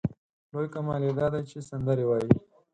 لوی کمال یې دا دی چې سندرې وايي.